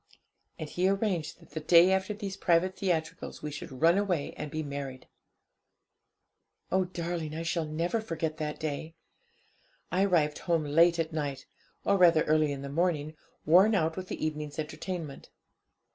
And he arranged that the day after these private theatricals we should run away and be married. 'Oh, darling, I shall never forget that day! I arrived home late at night, or rather early in the morning, worn out with the evening's entertainment.